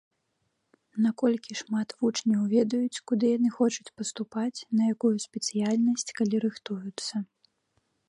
Наколькі шмат вучняў ведаюць, куды яны хочуць паступаць, на якую спецыяльнасць, калі рыхтуюцца?